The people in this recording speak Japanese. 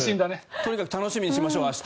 とにかく明日楽しみにしましょう。